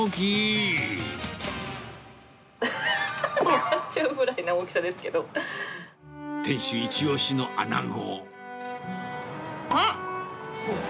笑っちゃうぐらいな大きさで店主一押しのアナゴ。